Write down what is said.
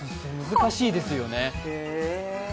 難しいですよね。